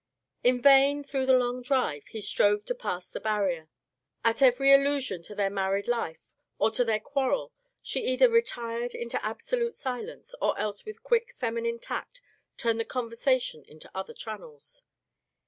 In vain, through the long drive, he strove to pass the barrier. At every allusion to their married life, or to their quarrel, she either retired into absolute silence or else with quick feminine tact turned the conversation into other channels.